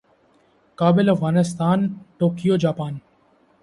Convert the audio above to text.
Kabul Afghanistan Tokyo Japan